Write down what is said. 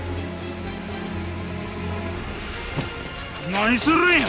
何するんや！